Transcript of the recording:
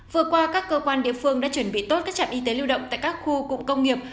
vừa qua các cơ quan địa phương đã chuẩn bị tốt các trạm y tế lưu động tại các khu cụm công nghiệp